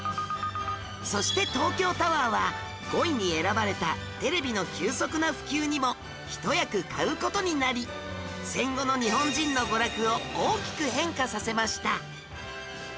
そして東京タワーは５位に選ばれたテレビの急速な普及にも一役買う事になり戦後の日本人の娯楽を大きく変化させました